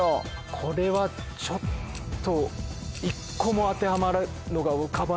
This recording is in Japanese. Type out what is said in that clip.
これはちょっと。